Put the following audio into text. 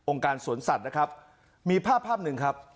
การสวนสัตว์นะครับมีภาพภาพหนึ่งครับ